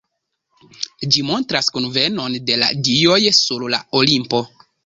Ĝi montras kunvenon de la dioj sur la Olimpo.